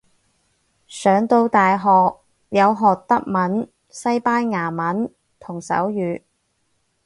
上到大學有學德文西班牙文同手語